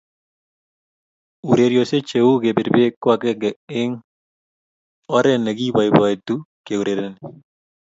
Urerioshe che uu kipir beek ko akenge eng oree ni kiboiboitu keurerenii.